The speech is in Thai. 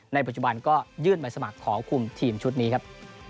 ในปัจจุบันก็ยื่นใบสมัครขอคุมทีมชุดนี้ครับ